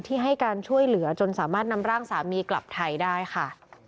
ให้การช่วยเหลือจนสามารถนำร่างสามีกลับไทยได้ค่ะ